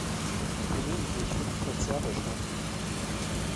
Gelegentlich finden Konzerte statt.